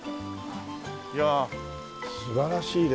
いやあ素晴らしいですよね。